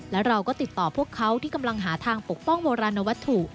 แล้วเราก็ติดต่อพวกเขาที่กำลังหาทางปกป้องโบราณวัตถุ